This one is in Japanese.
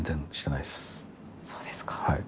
そうですか。